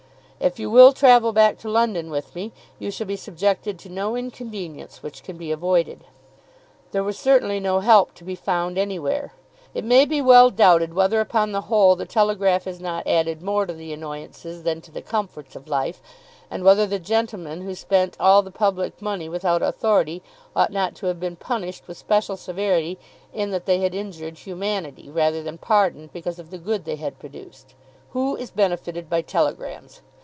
If you will travel back to London with me, you shall be subjected to no inconvenience which can be avoided." There was certainly no help to be found anywhere. It may be well doubted whether upon the whole the telegraph has not added more to the annoyances than to the comforts of life, and whether the gentlemen who spent all the public money without authority ought not to have been punished with special severity in that they had injured humanity, rather than pardoned because of the good they had produced. Who is benefited by telegrams?